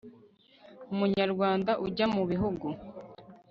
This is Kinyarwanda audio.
umunyarwanda ujya mu bihugu